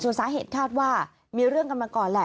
ส่วนสาเหตุคิดว่ามีเรื่องกับก่อนล่ะ